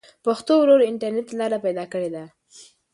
پښتو ورو ورو انټرنټ ته لاره پيدا کړې ده.